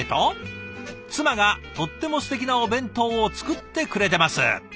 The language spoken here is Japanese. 「妻がとってもすてきなお弁当を作ってくれてます。